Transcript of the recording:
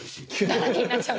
だらけになっちゃう。